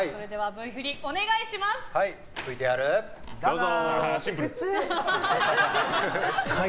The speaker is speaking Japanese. ＶＴＲどうぞ！